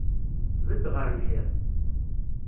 Bedd ɣer lḥiḍ!